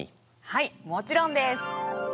はいもちろんです！